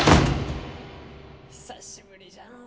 久しぶりじゃのう。